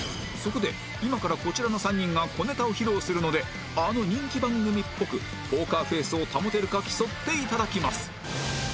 そこで今からこちらの３人が小ネタを披露するのであの人気番組っぽくポーカーフェイスを保てるか競っていただきます